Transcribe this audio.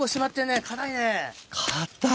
硬い。